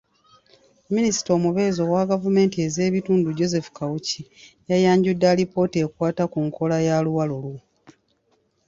Minisita omubeezi owa gavumenti ez’ebitundu Joseph Kawuki yayanjudde alipoota ekwata ku nkola ya "luwalo lwo".